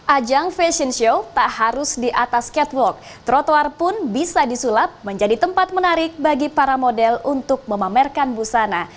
ajang fashion show tak harus di atas catwalk trotoar pun bisa disulap menjadi tempat menarik bagi para model untuk memamerkan busana